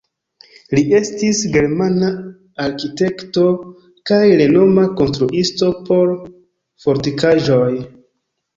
Li estis germana arkitekto kaj renoma konstruisto por fortikaĵoj.